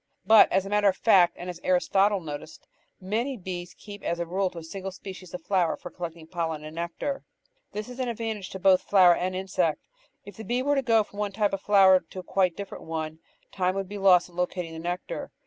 But as a matter of fact, and as Aristotle noticed, many bees keep as a rule to a single species of flower for collecting pollen and nectar. This is an advantage to both flower and insect. If the bee were to go from one type of flower to quite a different one, time would be lost in locating the nectar.